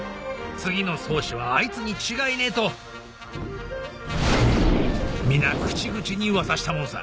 次の宗師はあいつに違いねぇと皆口々に噂したもんさ。